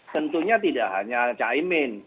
tentunya tidak hanya cah imen